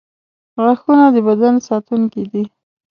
• غاښونه د بدن ساتونکي دي.